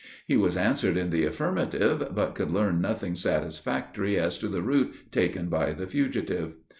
He was answered in the affirmative, but could learn nothing satisfactory as to the route taken by the fugitive.